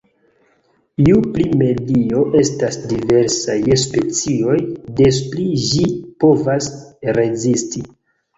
Ju pli medio estas diversa je specioj, des pli ĝi povas rezisti.